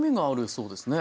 そうですね。